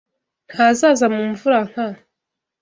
Ntazaza mu mvura nka